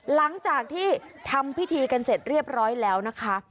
หลังจากที่ทำพิธีกันเสร็จเรียบร้อยแล้วนะคะ